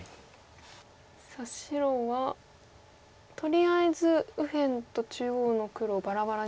白はとりあえず右辺と中央の黒バラバラに。